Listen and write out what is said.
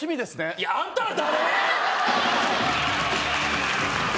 いやあんたら誰？